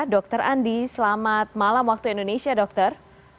dr andi selamat malam waktu indonesia dokter